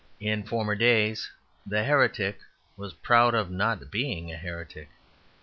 In former days the heretic was proud of not being a heretic.